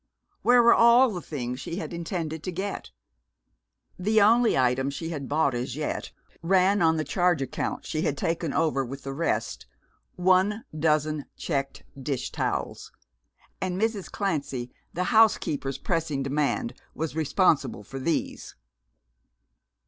Where were all the things she had intended to get? The only item she had bought as yet ran, on the charge account she had taken over with the rest, "1 doz. checked dish towels"; and Mrs. Clancy, the housekeeper's, pressing demand was responsible for these.